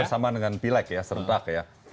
bersama dengan pilek ya serentak ya